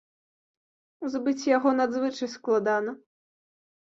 Збыць яго надзвычай складана.